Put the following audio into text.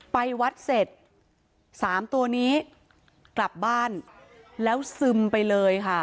ไปวัดเสร็จสามตัวนี้กลับบ้านแล้วซึมไปเลยค่ะ